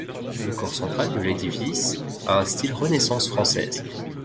Le corps central de l'édifice a un style Renaissance française.